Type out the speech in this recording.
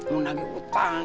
mau nagih utang